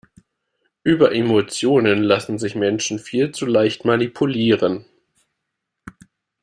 Über Emotionen lassen sich Menschen viel zu leicht manipulieren.